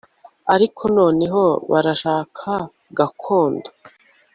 ariko noneho barashaka gakondo